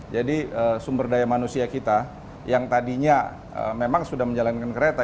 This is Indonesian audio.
jadi sumber daya manusia kita yang tadinya memang sudah menjalankan kereta